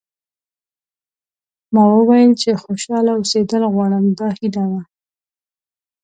ما وویل چې خوشاله اوسېدل غواړم دا هیله وه.